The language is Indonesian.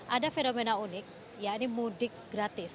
ada fenomena unik ya ini mudik gratis